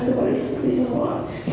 terbalik seperti semuanya